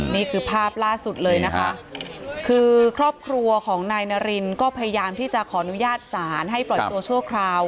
นี่คือภาพล่าสุดเลยนะคะคือครอบครัวของนายนารินก็พยายามที่จะขออนุญาตศาลให้ปล่อยตัวชั่วคราว